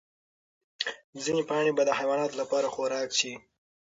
ځینې پاڼې به د حیواناتو لپاره خوراک شي.